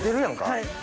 はい。